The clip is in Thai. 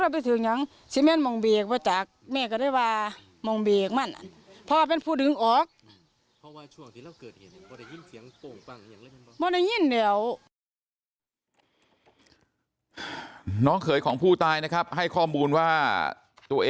ตัวเองก็พึ่งพยาบาลมีเสียงปืนนะครับ